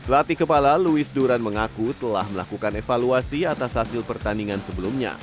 latih kepala louis duran mengaku telah melakukan evaluasi atas hasil pertandingan sebelumnya